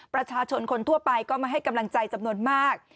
ประชาชนคนทั่วไปก็มาให้กำลังใจจำนวนมาก